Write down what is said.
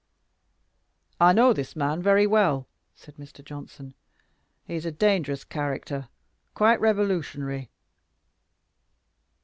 "I know this man very well," said Mr. Johnson. "He is a dangerous character quite revolutionary."